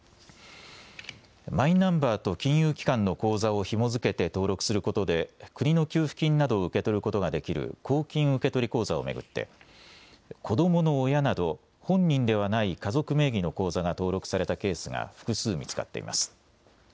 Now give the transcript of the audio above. マイナンバーと金融機関の口座をひも付けて登録することで、国の給付金などを受け取ることができる公金受取口座を巡って、子どもの親など、本人ではない家族名義の口座が登録されたケースが複数見つかっています。